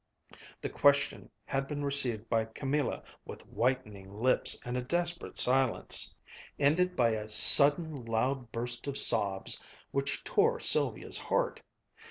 The question had been received by Camilla with whitening lips and a desperate silence ended by a sudden loud burst of sobs, which tore Sylvia's heart.